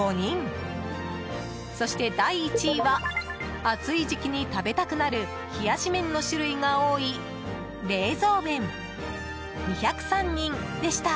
そして、第１位は暑い時期に食べたくなる冷やし麺の種類が多い冷蔵麺、２０３人でした。